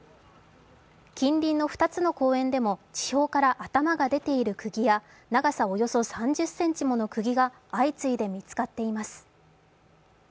近隣の２つの公園でも地表から頭が出ているくぎや長さおよそ３０ｃｍものくぎが相次いで見つかっています。